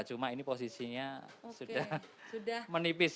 cuma ini posisinya sudah menipis